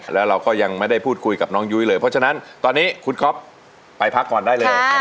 แล้วเราก็ยังไม่ได้พูดคุยกับน้องยุ้ยเลยเพราะฉะนั้นตอนนี้คุณก๊อฟไปพักผ่อนได้เลย